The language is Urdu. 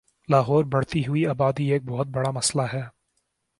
لاہور بڑھتی ہوئی آبادی ایک بہت بڑا مسلہ ہے